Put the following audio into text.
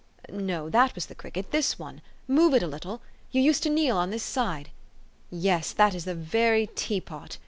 No, that was the cricket, this one. Move it a little. You used to kneel on this side. Yes, that is the very teapot.